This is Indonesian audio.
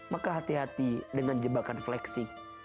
maka hati hati dengan jebakan flexing